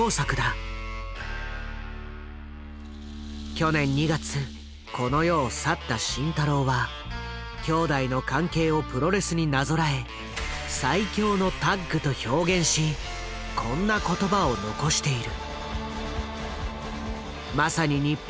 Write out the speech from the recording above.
去年２月この世を去った慎太郎は兄弟の関係をプロレスになぞらえ「最強のタッグ」と表現しこんな言葉を残している。